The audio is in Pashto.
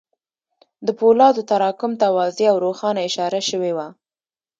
د پولادو تراکم ته واضح او روښانه اشاره شوې وه